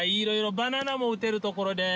バナナも売ってるところです。